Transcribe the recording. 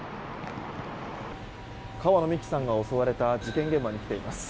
川野美樹さんが襲われた事件現場に来ています。